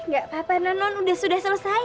gak apa apa non non udah selesai